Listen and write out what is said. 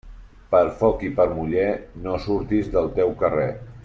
Per foc i per muller, no surtis del teu carrer.